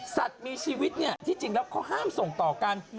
สัตว์มีชีวิตที่จริงแล้วเขาห้ามส่งต่อกัน